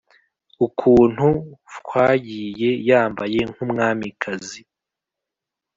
ukuntu fawyagiye yambaye nkumwamikazi”